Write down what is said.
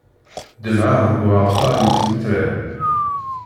Ḍemɛeɣ deg uɛeṭṭaṛ yittmetran.